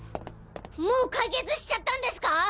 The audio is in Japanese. もう解決しちゃったんですか？